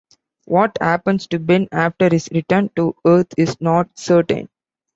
What happens to Ben after his return to Earth is not certain.